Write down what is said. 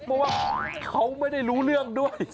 เพราะว่าเขาไม่ได้รู้เรื่องด้วย